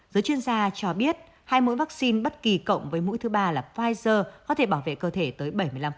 giới chuyên gia cho biết hai mũi vaccine bất kỳ cộng với mũi thứ ba là pfizer có thể bảo vệ cơ thể tới bảy mươi năm